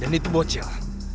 dan itu bocel